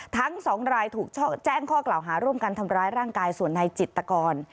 ทั้งสองรายถูกแจ้งข้อกล่าวหาร่วมกันทำร้ายร่างกายส่วนนายจิตกร